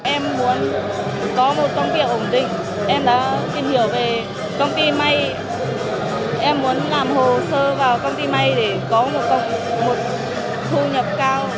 em muốn có một công việc ổn định em đã tìm hiểu về công ty may em muốn làm hồ sơ vào công ty may để có một thu nhập cao